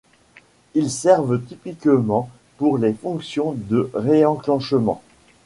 Ils servent typiquement pour les fonctions de réenclenchement.